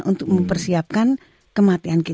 untuk mempersiapkan kematian kita